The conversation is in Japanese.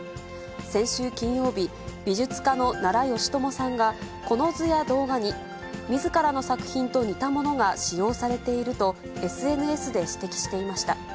先週金曜日、美術家の奈良美智さんが、この図や動画に、みずからの作品と似たものが使用されていると、ＳＮＳで指摘していました。